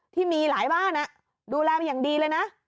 ที่มีหลายบ้านดูแลมาอย่างดีเลยนะ